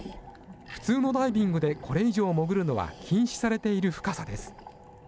普通のダイビングでこれ以上潜るのは禁止されている深さです。